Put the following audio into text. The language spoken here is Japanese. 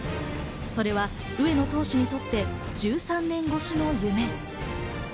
それは上野投手にとって１３年越しの夢。